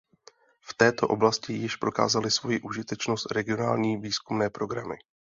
V této oblasti již prokázaly svoji užitečnost regionální výzkumné programy.